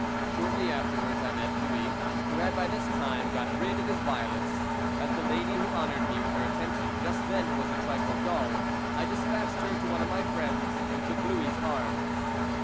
Shortly afterwards I met Louis, who had by this time got rid of his violets. As the lady who honoured me with her attention just then was a trifle dull, I despatched her to one of my friends, and took Louis' arm.